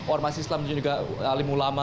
orang masyarakat islam dan juga alim ulama